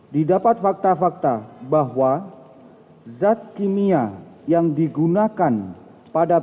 di dapat fakta fakta bahwa zat kimia yang digunakan pada penyamaran